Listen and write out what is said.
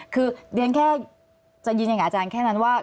คือเรียนแค่จะยืนยันกับอาจารย์แค่นั้นว่า